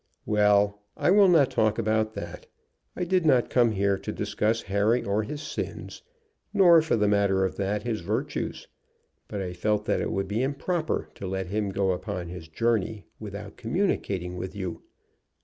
"Well: I will not talk about that. I did not come here to discuss Harry or his sins, nor, for the matter of that, his virtues. But I felt it would be improper to let him go upon his journey without communicating with you."